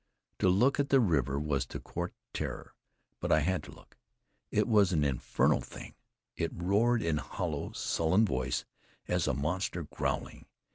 To look at the river was to court terror, but I had to look. It was an infernal thing. It roared in hollow, sullen voice, as a monster growling.